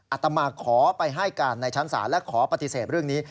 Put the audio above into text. อตมาขอไปให้การในชั้นศาลและขอปฏิเสธเรื่องนี้